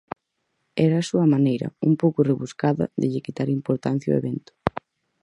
Era a súa maneira, un pouco rebuscada, de lle quitar importancia ao evento.